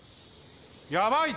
やばいて。